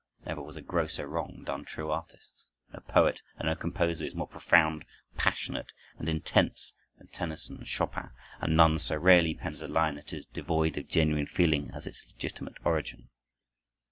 Never was a grosser wrong done true artists. No poet and no composer is more profound, passionate, and intense than Tennyson and Chopin, and none so rarely pens a line that is devoid of genuine feeling as its legitimate origin.